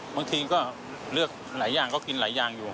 บางทีก็เลือกหลายอย่างก็กินหลายอย่างอยู่